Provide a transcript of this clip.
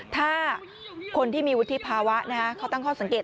ถ้าคนที่มีวุฒิภาวะเขาตั้งข้อสังเกต